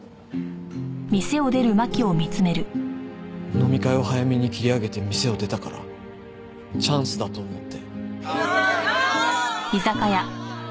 飲み会を早めに切り上げて店を出たからチャンスだと思って。